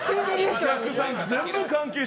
全部関係者